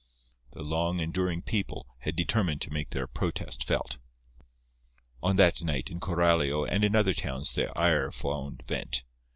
The long enduring people had determined to make their protest felt. On that night, in Coralio and in other towns, their ire found vent.